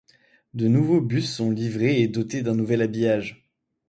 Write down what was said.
De nouveaux bus sont livrés et dotés d'un nouvel habillage.